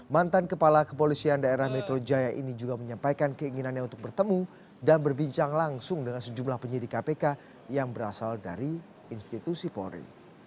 mantan kepala kepolisian daerah metro jaya ini juga menyampaikan keinginannya untuk bertemu dan berbincang langsung dengan sejumlah penyidik kpk yang berasal dari institusi polri